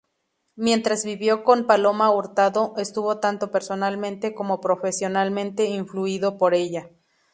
Mientras vivió con Paloma Hurtado, estuvo tanto personalmente como profesionalmente influido por ella.